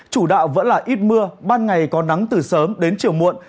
chủ đạo vẫn là ít mưa ban ngày có nắng từ sớm đến chiều muộn